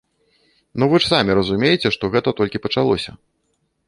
Ну, вы ж самі разумееце, што гэта толькі пачалося.